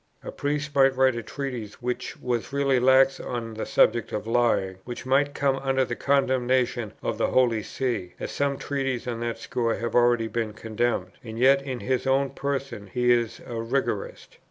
A priest might write a treatise which was really lax on the subject of lying, which might come under the condemnation of the Holy See, as some treatises on that score have already been condemned, and yet in his own person be a rigorist.